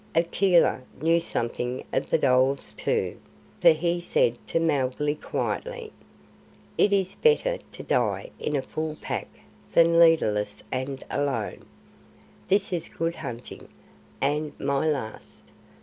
Akela knew something of the dholes, too, for he said to Mowgli quietly, "It is better to die in a Full Pack than leaderless and alone. This is good hunting, and my last.